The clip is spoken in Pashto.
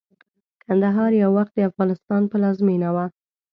کندهار يٶوخت دافغانستان پلازمينه وه